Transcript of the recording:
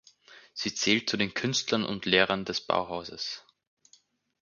Sie zählt zu den Künstlern und Lehrern des Bauhauses.